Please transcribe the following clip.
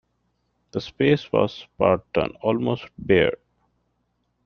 The space was spartan, almost bare.